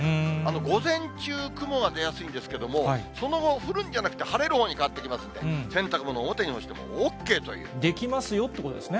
午前中、雲が出やすいんですけれども、その後、降るんじゃなくて晴れるほうに変わってきますんで、洗濯物、できますよということですね。